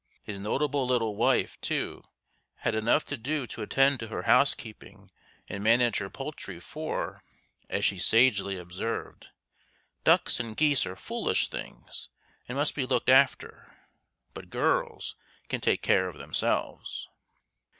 His notable little wife, too, had enough to do to attend to her housekeeping and manage her poultry for, as she sagely observed, ducks and geese are foolish things and must be looked after, but girls can take care of themselves.